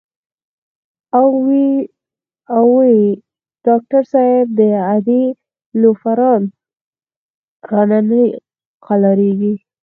او وې ئې " ډاکټر صېب د اډې لوفران رانه نۀ قلاریږي